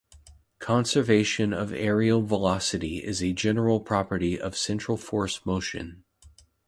Conservation of areal velocity is a general property of central force motion.